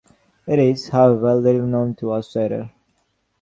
It is, however, little known to outsiders.